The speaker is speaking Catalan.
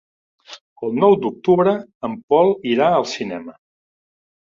El nou d'octubre en Pol irà al cinema.